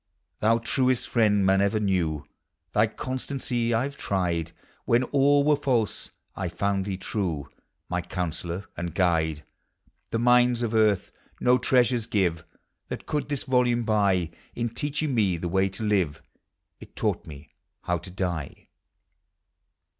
Thou truest friend man ever knew, Thy constancy I \e tried ; When all were false, I found thee true, My counsellor and guide. The mines of earth no treasures give That could this volume buy; In teaching me the way to live, It taught me how to die!